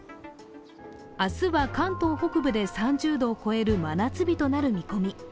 明日は関東北部で３０度を超える真夏日となる見込み。